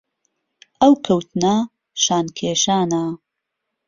ئەو کەوتنە شان کێشانە